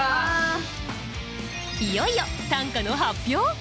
いよいよ短歌の発表